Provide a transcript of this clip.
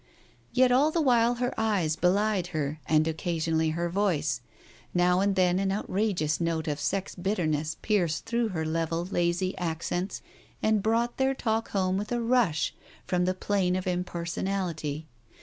Yet all the while her eyes belied her and occasionally her voice. Now and then an outrageous note of sex bitterness pierced through her level lazy accents and brought their talk home with a rush from the plane of impersonality.